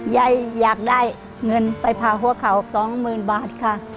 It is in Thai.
ยายอยากได้เงินไปพาหัวเขา๒๐๐๐บาทค่ะ